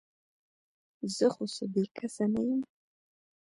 زه خو څه بې کسه نه یم ؟